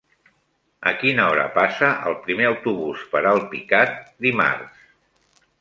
A quina hora passa el primer autobús per Alpicat dimarts?